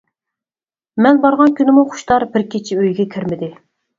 مەن بارغان كۈنىمۇ خۇشتار بىر كېچە ئۆيىگە كىرمىدى.